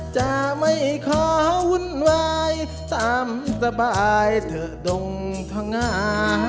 จะไม่ขอวุ่นวายตามสบายเถอะดงพังงา